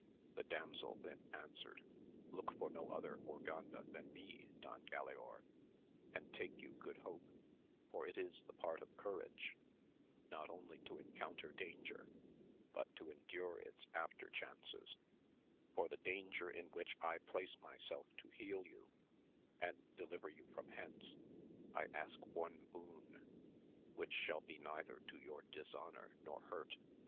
The damsel then answered, Look for no other Urganda than me, Don Galaor ; and take you good hope, for it is the part of courage, not only to encounter danger, but to endure its after chances ; for the danger in which I place myself to heal you, and deliver you from hence, I ask one boon, which shall be neither to your dishonour nor hurt.